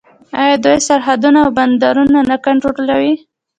آیا دوی سرحدونه او بندرونه نه کنټرولوي؟